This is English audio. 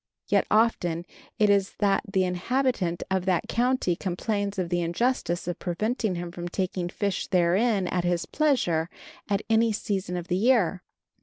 Yet often it is that the inhabitant of that county complains of the injustice of preventing him from taking fish therein at his pleasure at any season of the year.